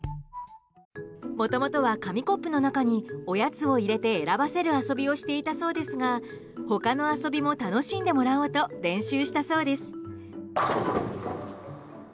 もともとは紙コップの中におやつを入れて選ばせる遊びをしていたそうですが他の遊びも楽しんでもらおうと練習したそうです。